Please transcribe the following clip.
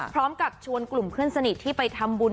พร้อมกับชวนกลุ่มเพื่อนสนิทที่ไปทำบุญ